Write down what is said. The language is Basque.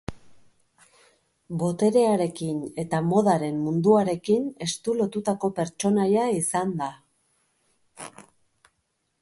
Boterearekin eta modaren munduarekin estu lotutako pertsonaia izan da.